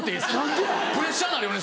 プレッシャーになるよね